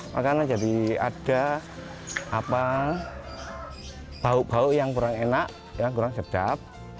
makanya jadi ada bau bau yang kurang enak kurang sedap